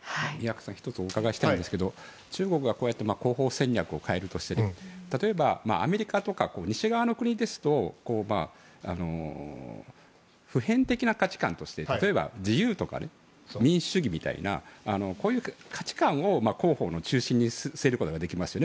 １つお伺いしたいんですが中国がこういって広報戦略を変えるとして例えばアメリカとか西側の国ですと普遍的な価値観として例えば自由とか民主主義みたいなこういう価値観を広報の中心に据えることができますよね。